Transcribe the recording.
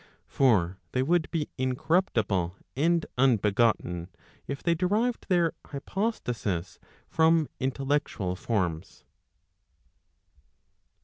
For they would be incorruptible and unbegotten, if they derived their hypostasis from intellectual forms.